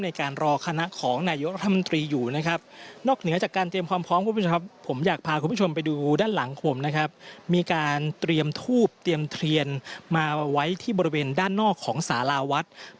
ในการรอคณะของนายยกรัฐมนตรีอยู่นะครับ